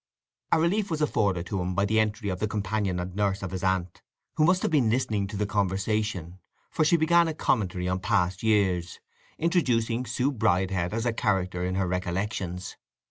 A relief was afforded to him by the entry of the companion and nurse of his aunt, who must have been listening to the conversation, for she began a commentary on past years, introducing Sue Bridehead as a character in her recollections.